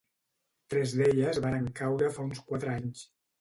Tres d'elles varen caure fa uns quatre anys.